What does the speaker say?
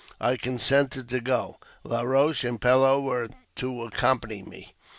I consented to :go ; La Eoche and Pellow were to accompany me.